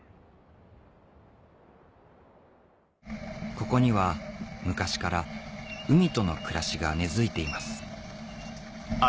ここには昔から海との暮らしが根付いています